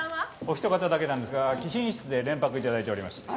おひと方だけなんですが貴賓室で連泊頂いておりまして。